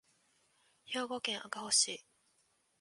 兵庫県赤穂市